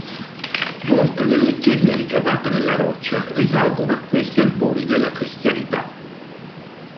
Molte delle chiese ricavate nella roccia risalgono a questi albori della cristianità.